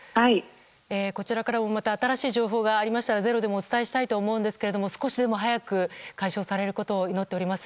こちらからまた新しい情報がありましたら「ｚｅｒｏ」でもお伝えしたいと思うんですけど少しでも早く解消されることを祈っております。